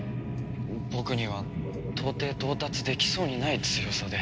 僕には到底到達できそうにない強さで。